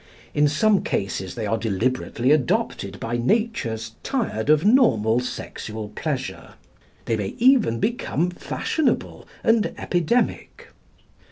In some cases they are deliberately adopted by natures tired of normal sexual pleasure. They may even become fashionable and epidemic.